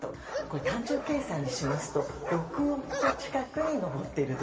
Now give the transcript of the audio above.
単純計算にしますと６億個近くに上っていると。